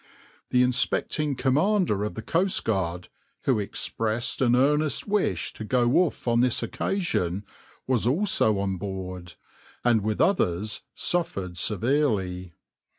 \par "The inspecting commander of the coastguard, who expressed an earnest wish to go off on this occasion, was also on board, and with others suffered severely.